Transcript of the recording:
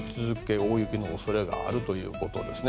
大雪の恐れがあるということですね。